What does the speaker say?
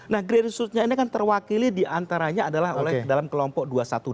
nah grassroots nya ini kan terwakili diantaranya adalah oleh dalam kelompok dua ratus dua belas